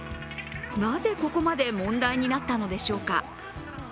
なぜここまで問題になったのでしょうか。